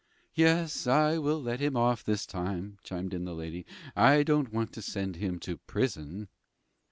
"Yes, I will let him off this time," chimed in the lady. "I don't want to send him to prison."